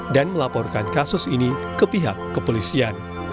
dan melaporkan kasus ini ke pihak kepolisian